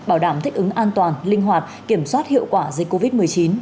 bảo đảm thích ứng an toàn linh hoạt kiểm soát hiệu quả dịch covid một mươi chín